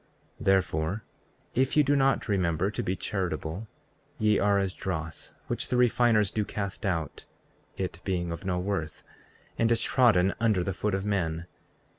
34:29 Therefore, if ye do not remember to be charitable, ye are as dross, which the refiners do cast out, (it being of no worth) and is trodden under foot of men.